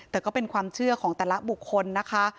แต่ก็เป็นความเชื่อของแต่ละบุคคลนะคะ